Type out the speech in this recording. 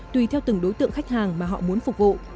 tùy theo từng đối tượng khách hàng mà họ muốn phục vụ